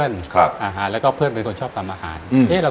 สวัสดีครับผมสวัสดีครับผมสวัสดีครับผม